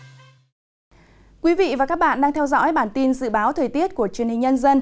thưa quý vị và các bạn đang theo dõi bản tin dự báo thời tiết của truyền hình nhân dân